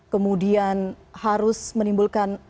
kemudian harus menimbulkan